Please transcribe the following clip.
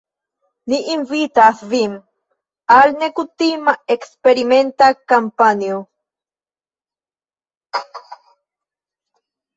Ni invitas vin al nekutima, eksperimenta kampanjo.